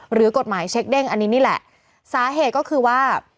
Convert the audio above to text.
หรือกฎหมายเช็คเด้งอันนี้นี่แหละสาเหตุก็คือว่า